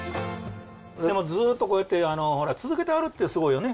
でもずっとこうやって続けてはるってスゴイよね。